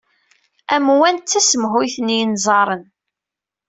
Amwan d tasemhuyt n yinẓaren.